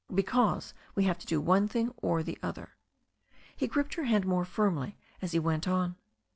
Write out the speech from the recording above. Because we have to do one thing or the other." He gripped her hand more firmly as he went on.